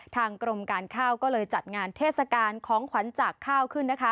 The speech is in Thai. ทางกรมการข้าวก็เลยจัดงานเทศกาลของขวัญจากข้าวขึ้นนะคะ